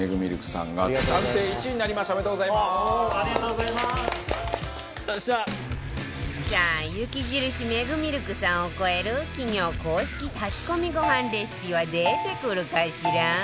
さあ雪印メグミルクさんを超える企業公式炊き込みご飯レシピは出てくるかしら？